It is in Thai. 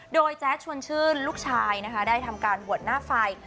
โดยแจ๊ดชวนชื่นลูกชายนะคะได้ทำการบวชหน้าไฟ